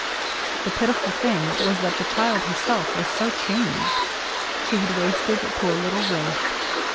The pitiful thing was that the child herself was so changed. She had wasted to a little wraith.